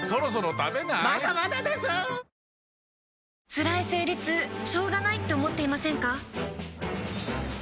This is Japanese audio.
つらい生理痛しょうがないって思っていませんか？